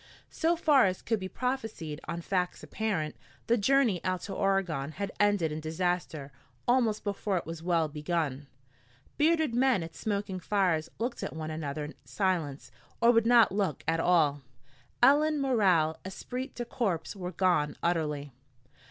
So far as could be prophesied on facts apparent, the journey out to Oregon had ended in disaster almost before it was well begun. Bearded men at smoking fires looked at one another in silence, or would not look at all. Elan, morale, esprit de corps were gone utterly.